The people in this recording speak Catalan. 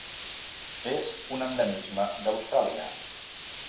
És un endemisme d'Austràlia: